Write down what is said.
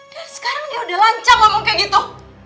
dan sekarang dia sudah lancar ngomong kayak gitu